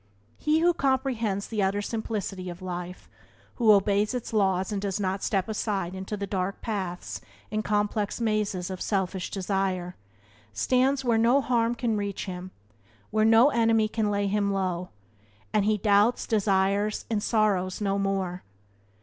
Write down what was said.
He who comprehends the utter simplicity of life, who obeys its laws and does not step aside into the dark paths and complex mazes of selfish desire, stands where no harm can reach him, where no enemy can lay him low — and he doubts, desires, and sorrows no more.